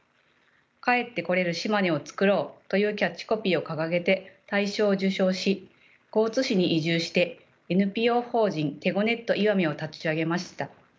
「帰ってこれる島根をつくろう」というキャッチコピーを掲げて大賞を受賞し江津市に移住してＮＰＯ法人てごねっと石見を立ち上げました。